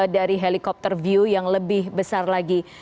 dari helikopter view yang lebih besar lagi